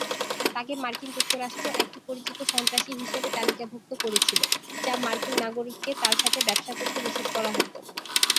তাকে মার্কিন যুক্তরাষ্ট্র একটি পরিচিত সন্ত্রাসী হিসাবে তালিকাভুক্ত করেছিল, যা মার্কিন নাগরিককে তার সাথে ব্যবসা করতে নিষেধ করা হতো।